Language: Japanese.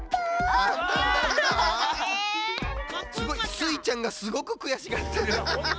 スイちゃんがすごくくやしがってる。